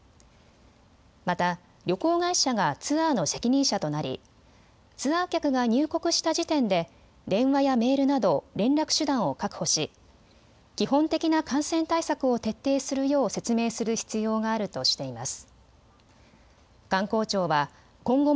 また旅行会社がツアーの責任者となりツアー客が入国した時点で電話やメールなど連絡手段を確保し、基本的な感染対策を徹底するよう説明する必要があるとしています。